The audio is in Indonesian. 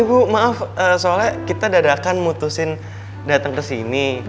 iya bu maaf soalnya kita dadahkan mutusin dateng kesini